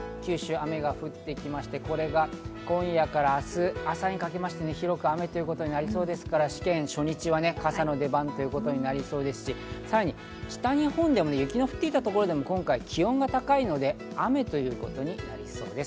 今夜から明日朝にかけまして広く雨ということになりそうですから、試験初日は傘の出番ということになりそうですし、さらに北日本でも雪の降っていたところでも今回、気温が高いので、雨ということになりそうです。